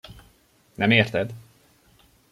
Nem érted?